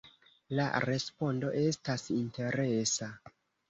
La respondo estas interesa.